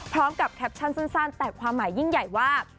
แคปชั่นสั้นแต่ความหมายยิ่งใหญ่ว่า